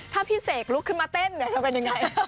ถ้าพี่เสกลุกขึ้นมาเต้นจะเป็นยังไง